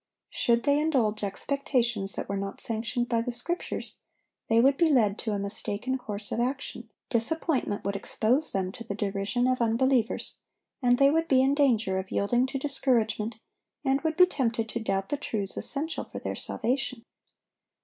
Should they indulge expectations that were not sanctioned by the Scriptures, they would be led to a mistaken course of action; disappointment would expose them to the derision of unbelievers, and they would be in danger of yielding to discouragement, and would be tempted to doubt the truths essential for their salvation.